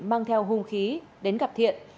mang theo hung khí đến gặp thiện